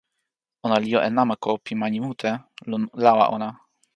ona li jo e namako pi mani mute lon lawa ona.